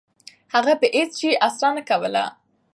هغه په هیڅ شي اسره نه کوله. .